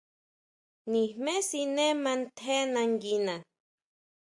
Nijmé siné mantjé nanguina.